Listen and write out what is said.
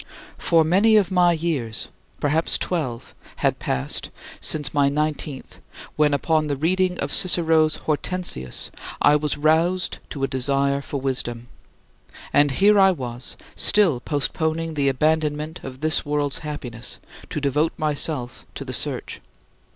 For many of my years perhaps twelve had passed away since my nineteenth, when, upon the reading of Cicero's Hortensius, I was roused to a desire for wisdom. And here I was, still postponing the abandonment of this world's happiness to devote myself to the search.